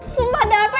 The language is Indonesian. sumpah ada apa sih